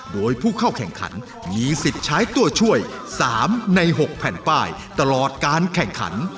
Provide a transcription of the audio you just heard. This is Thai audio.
โดยผู้เข้าแข่งขันมีสิทธิ์ใช้ตัวช่วย๓ใน๖แผ่นป้ายตลอดการแข่งขัน